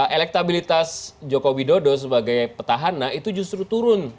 elektabilitas jokowi dodo sebagai petahana itu justru turun